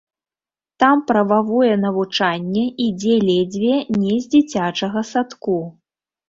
Там прававое навучанне ідзе ледзьве не з дзіцячага садку.